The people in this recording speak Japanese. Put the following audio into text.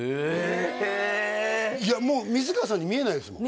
いやもう水川さんに見えないですもん